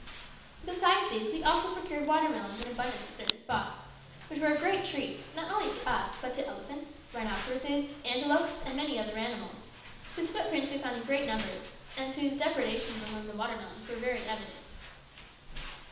Besides these, we also procured water melons in abundance at certain spots, which were a great treat, not only to us, but also to elephants, rhinoceroses, antelopes, and many other animals, whose footprints we found in great numbers, and whose depredations among the water melons were very evident.